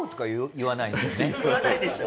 言わないでしょ！